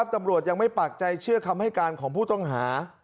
ตำรวจยังไม่ปากใจเชื่อคำให้การของผู้ต้องหา